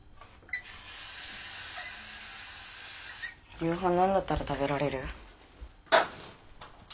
夕飯何だったら食べられる？